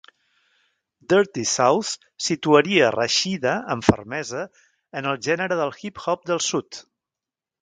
"Dirty South" situaria Rasheeda amb fermesa en el gènere del hip-hop del sud.